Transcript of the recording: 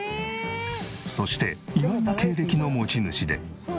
そして意外な経歴の持ち主で。